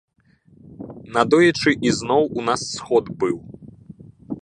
Надоечы ізноў у нас сход быў.